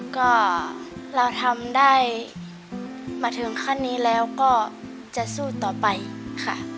ก็เราทำได้มาถึงขั้นนี้แล้วก็จะสู้ต่อไปค่ะ